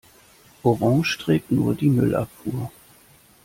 Orange trägt nur die Müllabfuhr.